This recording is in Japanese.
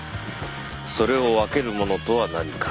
それを分けるものとは何か。